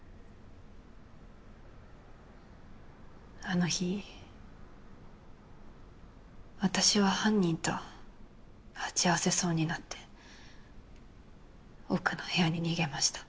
あの日私は犯人と鉢合わせそうになって奥の部屋に逃げました。